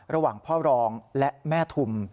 ระหว่างพ่อรองและแม่ทุม